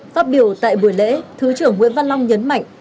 phát biểu tại buổi lễ thứ trưởng nguyễn văn long nhấn mạnh